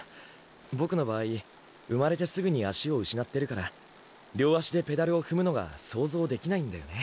ボクの場合生まれてすぐに足を失ってるから両足でペダルを踏むのが想像できないんだよね。